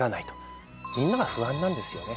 みんなが不安なんですよね。